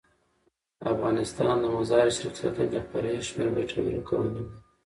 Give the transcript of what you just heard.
افغانستان د مزارشریف د ساتنې لپاره یو شمیر ګټور قوانین لري.